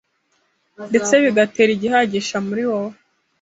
ndetse bigatera igihagisha muri wowe